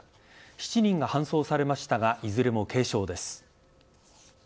７人が搬送されましたがいずれも軽傷です。